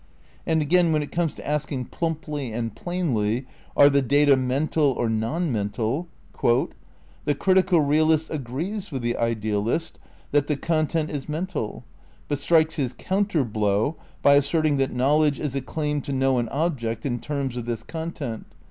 And again, when it comes to asking plumply and plainly, Are the data mental or non mental? "The critical realist agrees with the idealist that the content is mental, but strikes his counter blow by asserting that knowledge is a claim to know an object in terms of this content.